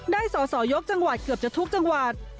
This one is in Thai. สอสอยกจังหวัดเกือบจะทุกจังหวัด